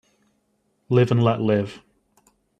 Live and let live